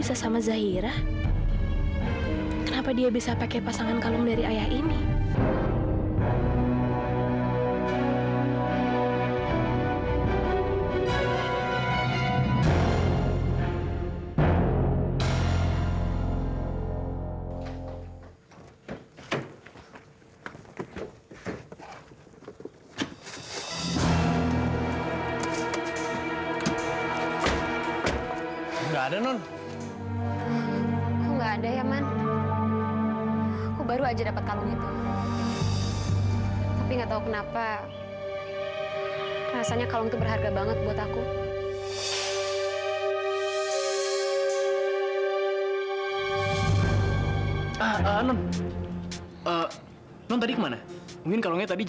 amirah janji amirah akan jaga baik baik kalung ini